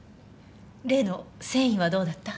例の繊維はどうなった？